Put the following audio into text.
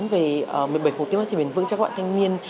về một mươi bảy khủng tiến phát triển biển vững cho các bạn thanh niên